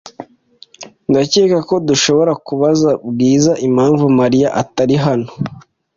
Ndakeka ko dushobora kubaza Bwiza impamvu Mariya atari hano